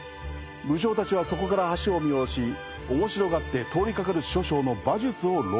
武将たちはそこから橋を見下ろし面白がって通りかかる諸将の馬術を論じていた。